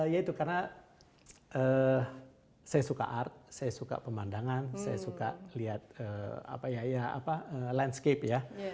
ya itu karena saya suka art saya suka pemandangan saya suka lihat landscape ya